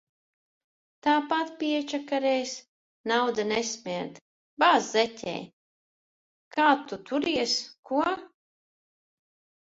Tāpat piečakarēs. Nauda nesmird. Bāz zeķē. Kā tu turies, ko?